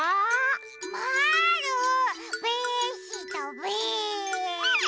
まぁるべしたべ！